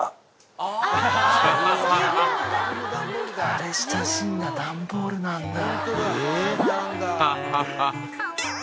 慣れ親しんだダンボールなんだ。